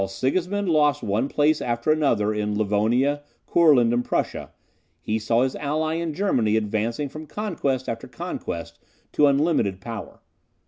While Sigismund lost one place after another in Livonia, Courland, and Prussia, he saw his ally in Germany advancing from conquest after conquest to unlimited power.